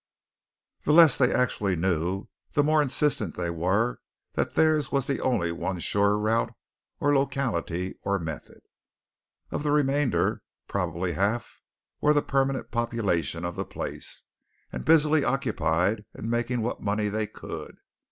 The less they actually knew the more insistent they were that theirs was the only one sure route or locality or method. Of the remainder probably half were the permanent population of the place, and busily occupied in making what money they could.